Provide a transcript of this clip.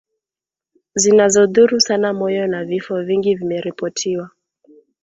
zinazodhuru sana moyo na vifo vingi vimeripotiwa